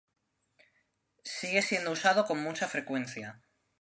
Sigue siendo usado con mucha frecuencia.